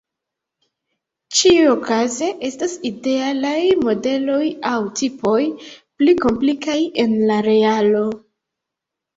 Ĉiuokaze, estas idealaj modeloj aŭ tipoj, pli komplikaj en la realo.